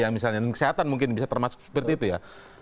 yang misalnya kesehatan mungkin bisa termasuk seperti itu ya